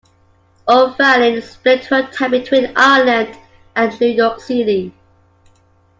O'Faolain split her time between Ireland and New York City.